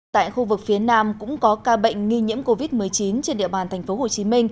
tại khu vực phía nam cũng có ca bệnh nghi nhiễm covid một mươi chín trên địa bàn tp hcm